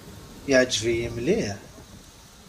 Iɛǧeb-iyi mliḥ.